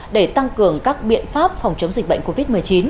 để tăng cường các biện pháp phòng chống dịch bệnh covid một mươi chín